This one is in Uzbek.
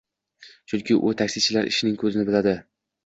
Chunki u taksichilar «ishning ko‘zini biladi»!